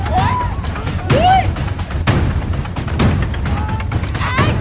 อุ๊ย